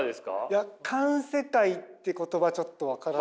いや環世界っていう言葉ちょっと分からない。